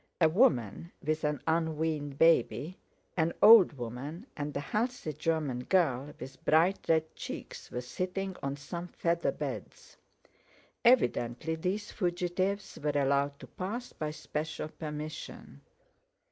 A woman with an unweaned baby, an old woman, and a healthy German girl with bright red cheeks were sitting on some feather beds. Evidently these fugitives were allowed to pass by special permission.